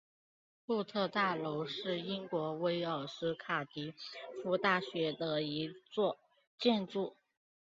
布特大楼是英国威尔斯卡迪夫大学的一座建筑。